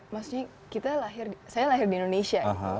maksudnya saya lahir di indonesia